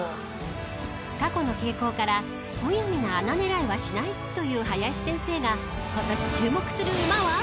［過去の傾向からむやみな穴狙いはしないという林先生が今年注目する馬は？］